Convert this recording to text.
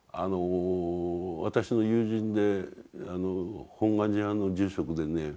私の友人で本願寺派の住職でね